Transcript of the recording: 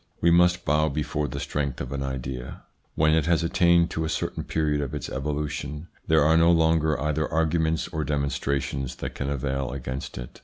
We must bow before the strength of an idea. When it has attained to a certain period of its evolution, there are no longer either arguments or demonstrations that can avail against it.